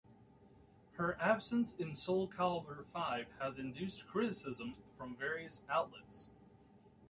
Her absence in "Soulcalibur V" has induced criticism from various outlets.